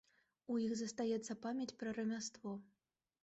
У іх застаецца памяць пра рамяство.